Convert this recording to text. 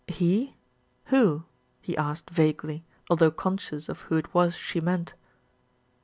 "He! Who?" he asked vaguely, although conscious of who it was she meant.